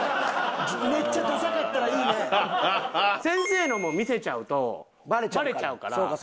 先生のも見せちゃうとバレちゃうから。